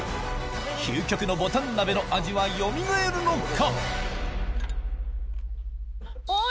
究極のぼたん鍋の味はよみがえるのか？